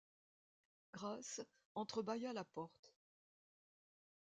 Grace entre-bâilla la porte.